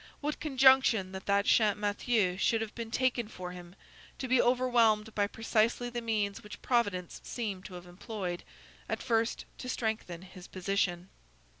What conjunction that that Champmathieu should have been taken for him; to be overwhelmed by precisely the means which Providence seemed to have employed, at first, to strengthen his position!